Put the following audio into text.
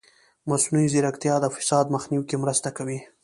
مصنوعي ځیرکتیا د فساد مخنیوي کې مرسته کوي.